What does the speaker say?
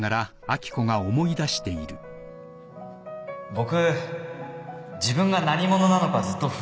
僕自分が何者なのかずっと不安だったんです